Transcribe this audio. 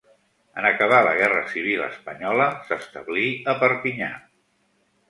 En acabar la guerra civil espanyola s'establí a Perpinyà.